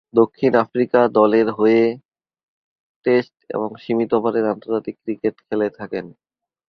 দক্ষিণ আফ্রিকা দলের পক্ষ হয়ে টেস্ট এবং সীমিত ওভারের আন্তর্জাতিক ক্রিকেট খেলে থাকেন।